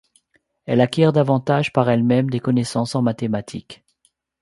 Elle acquiert davantage par elle-même des connaissances en mathématiques.